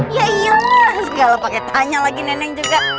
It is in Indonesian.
iya iya segala pake tanya lagi nenek juga